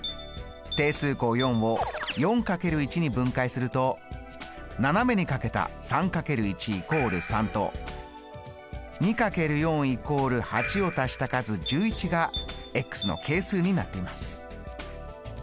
定数項４を４×１に分解すると斜めにかけた３×１＝３と２×４＝８を足した数１１がの係数になっています。